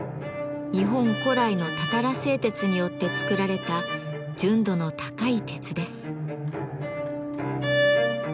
日本古来のたたら製鉄によって作られた純度の高い鉄です。